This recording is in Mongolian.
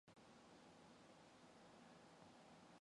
Багаасаа тэр үлгэр туульст зүрх сэтгэлээ өгсөн хүүхэд.